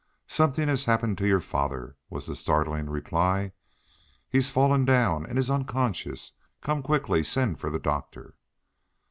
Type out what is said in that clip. "Something has happened to your father!" was the startling reply. "He's fallen down, and is unconscious! Come quickly! Send for the doctor!"